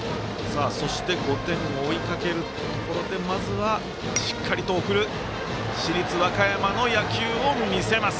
そして５点を追いかけるところで送る市立和歌山の野球を見せます。